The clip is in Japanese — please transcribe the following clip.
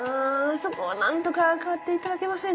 そこを何とか代わっていただけませんか？